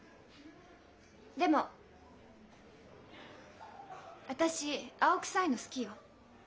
でも私青臭いの好きよ。